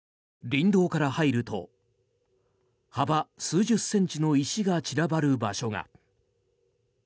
林道から入ると幅数十センチの石が散らばる場所が。